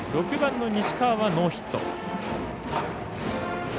６番の西川はノーヒット。